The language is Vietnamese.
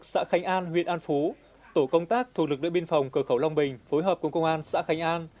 xã khánh an huyện an phú tổ công tác thuộc lực lượng biên phòng cửa khẩu long bình phối hợp cùng công an xã khánh an